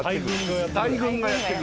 大群がやって来る。